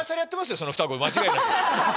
その双子間違いなく。